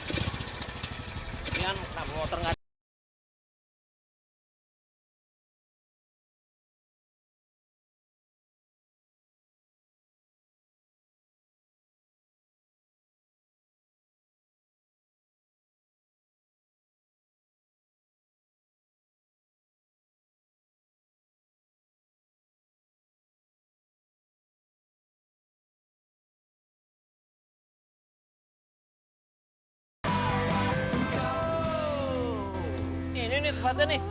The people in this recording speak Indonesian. ini nih tempatnya nih